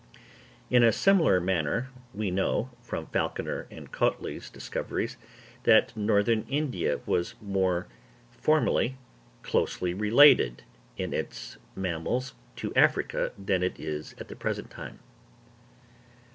In a similar manner we know, from Falconer and Cautley's discoveries, that Northern India was formerly more closely related in its mammals to Africa than it is at the present time.